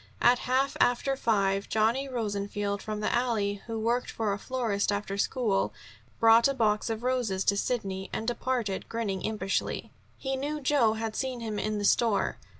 At half after five, Johnny Rosenfeld from the alley, who worked for a florist after school, brought a box of roses to Sidney, and departed grinning impishly. He knew Joe, had seen him in the store.